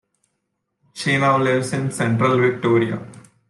She now lives in Central Victoria.